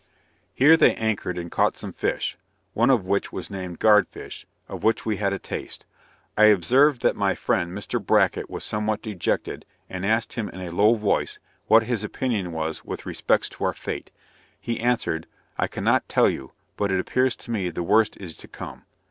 Here they anchored and caught some fish, (one of which was named guard fish) of which we had a taste. I observed that my friend Mr. Bracket was somewhat dejected, and asked him in a low voice, what his opinion was with respects to our fate? He answered, "I cannot tell you, but it appears to me the worst is to come."